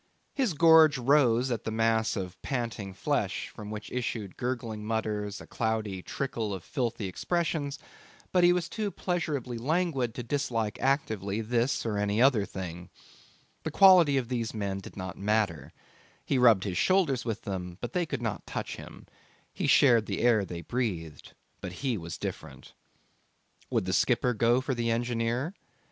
. His gorge rose at the mass of panting flesh from which issued gurgling mutters, a cloudy trickle of filthy expressions; but he was too pleasurably languid to dislike actively this or any other thing. The quality of these men did not matter; he rubbed shoulders with them, but they could not touch him; he shared the air they breathed, but he was different. ... Would the skipper go for the engineer?